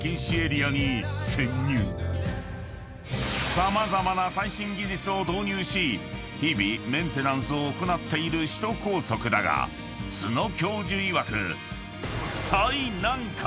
［様々な最新技術を導入し日々メンテナンスを行っている首都高速だが津野教授いわく］